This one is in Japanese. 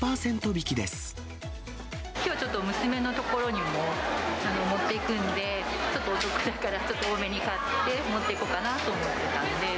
きょう、ちょっと娘の所に持っていくんで、ちょっとお得だから、ちょっと多めに買って持って行こうかなと思ってたんで。